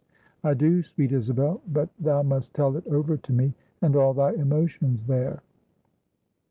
"I do, sweet Isabel, but thou must tell it over to me; and all thy emotions there."